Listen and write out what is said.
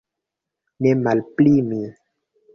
Ne malpli mi.